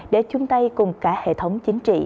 để chung tay cùng cả hệ thống chính trị